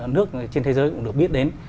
nước trên thế giới cũng được biết đến